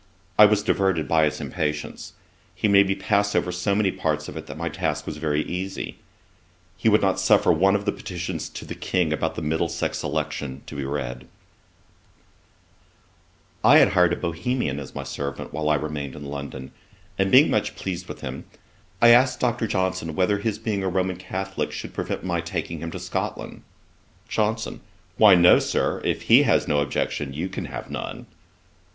I was diverted by his impatience. He made me pass over so many parts of it, that my task was very easy. He would not suffer one of the petitions to the King about the Middlesex election to be read. I had hired a Bohemian as my servant while I remained in London, and being much pleased with him, I asked Dr. Johnson whether his being a Roman Catholick should prevent my taking him with me to Scotland. JOHNSON. 'Why no, Sir, if he has no objection, you can have none.'